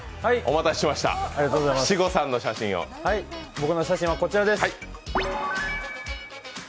僕の写真はこちらです。